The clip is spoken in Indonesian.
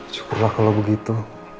syukurlah kalau begitu